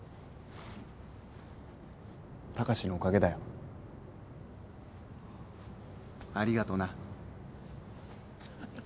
隆のおかげだよ。ありがとな。